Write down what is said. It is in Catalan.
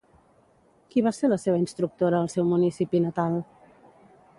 Qui va ser la seva instructora al seu municipi natal?